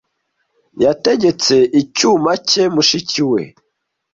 Yategetse icyuma cye mushiki we.